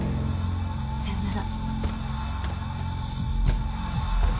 さよなら。